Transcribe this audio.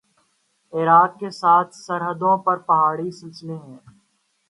عراق کے ساتھ سرحدوں پر پہاڑی سلسلے ہیں